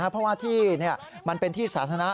เพราะว่าที่มันเป็นที่สาธารณะ